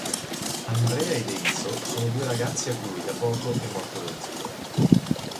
Andrea ed Enzo sono due ragazzi a cui, da poco, è morto lo zio.